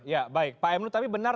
ya saya pun juga mendengar